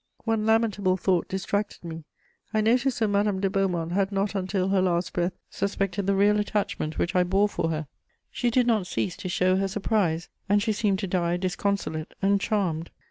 One lamentable thought distracted me: I noticed that Madame de Beaumont had not until her last breath suspected the real attachment which I bore for her; she did not cease to show her surprise, and she seemed to die disconsolate and charmed.